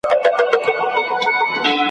ویل زه مي خپل پاچا یم را لېږلی ,